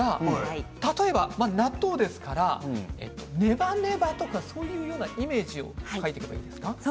例えば納豆ですからネバネバとかそういうイメージ書いていけばいいですか。